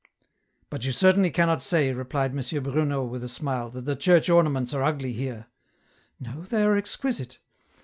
" But you certainly cannot say," replied M. Bruno, with a smile, " that the church ornaments are ugly here !"" No ; they are exquisite.